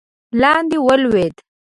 لاندې ولوېد.